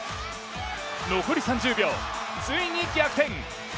残り３０秒、ついに逆転。